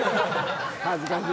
恥ずかしい。